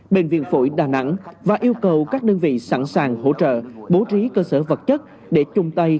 bệnh viện phổi đà nẵng và yêu cầu các đơn vị sẵn sàng hỗ trợ bố trí cơ sở vật chất để chung tay